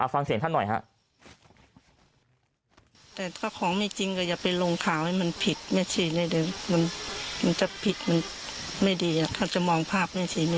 ฟังเสียงท่านหน่อยฮะ